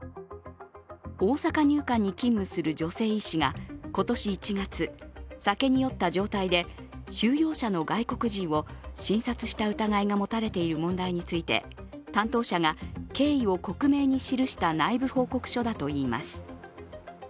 大阪入管に勤務する女性医師が今年１月、酒に酔った状態で収容者の外国人を診察した疑いが持たれている問題について担当者が経緯を克明に記した内部報告書だといいます。